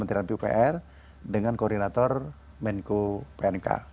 dan pr dengan koordinator menko pnk